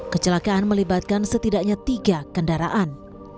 kecelakaan melibatkan setidaknya tiga kendaraan